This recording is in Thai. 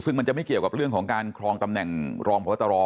ซึ่งมันจะไม่เกี่ยวกับเรื่องของการครองตำแหน่งรองพบตร